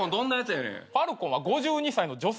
ファルコンは５２歳の女性弁護士。